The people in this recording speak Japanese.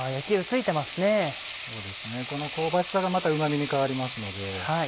この香ばしさがまたうま味に変わりますので。